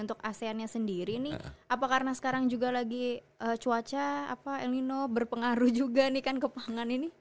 untuk asean nya sendiri nih apa karena sekarang juga lagi cuaca berpengaruh juga nih kan ke pangan ini